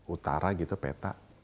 utara gitu peta